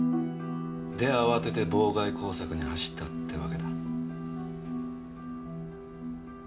で慌てて妨害工作に走ったってわけだ。